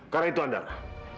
karena itu adara